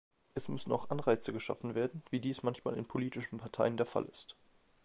Es müssen auch Anreize geschaffen werden, wie dies manchmal in politischen Parteiender Fall ist.